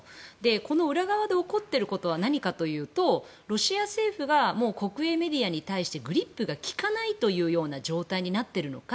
この裏側で起こっていることは何かというと、ロシア政府が国営メディアに対してグリップが利かないという状態になっているのか